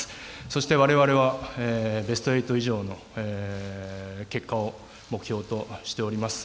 そして、われわれはベスト８以上の結果を目標としております。